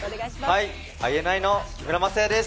ＩＮＩの木村柾哉です。